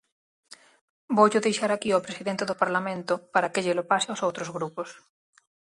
Voullo deixar aquí ao presidente do Parlamento para que llelo pase aos outros grupos.